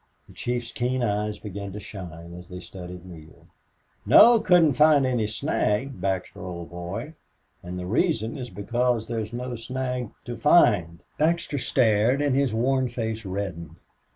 The chief's keen eyes began to shine as they studied Neale. "No, couldn't find any snag, Baxter, old boy... and the reason is because there's no snag to find." Baxter stared and his worn face reddened.